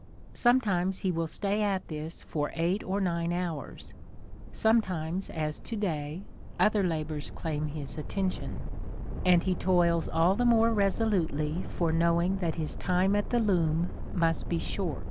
Sometimes he will stay at this for eight or nine hours, — sometimes, as to day, other labours claim his attention ; and he toils all the more resolutely for knowing that his time at the loom must be short.